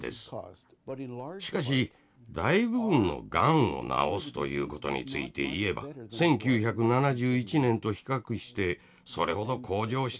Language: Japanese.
しかし大部分のがんを治すということについて言えば１９７１年と比較してそれほど向上してはいないのです。